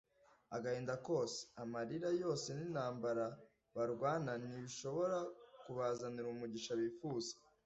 agahinda kose, amarira yose n'intambara barwana, ntibishobora kubazanira umugisha bifuza